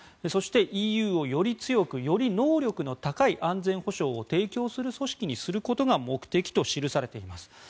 そして、ＥＵをより強くより能力の高い安全保障を提供する組織にすることが目的と記されています。